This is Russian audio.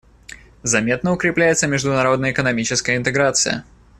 Заметно укрепляется международная экономическая интеграция.